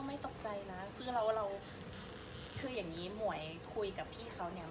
ก็ไม่ตกใจนะคืออย่างนี้หมวยคุยกับพี่เขาเนี่ย